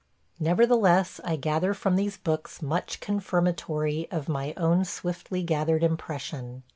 ... Nevertheless, I gather from these books much confirmatory of my own swiftly gathered impression.